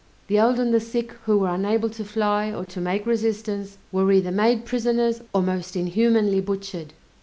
The old and the sick, who were unable to fly, or to make resistance, were either made prisoners or most inhumanly butchered!